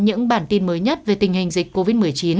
những bản tin mới nhất về tình hình dịch covid một mươi chín